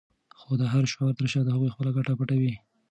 خو د هر شعار تر شا د هغوی خپله ګټه پټه وي.